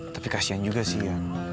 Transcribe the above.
tapi kasian juga sih ya